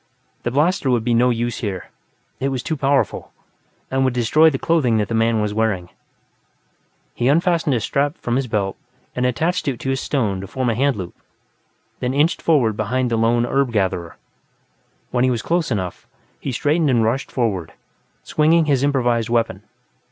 The blaster would be no use here; it was too powerful, and would destroy the clothing that the man was wearing. He unfastened a strap from his belt and attached it to a stone to form a hand loop, then, inched forward behind the lone herb gatherer. When he was close enough, he straightened and rushed forward, swinging his improvised weapon.